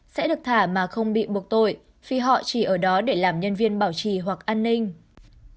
sẽ được thả mà không bị buộc tội vì họ chỉ ở đó để làm nhân viên bảo trì hoặc an ninh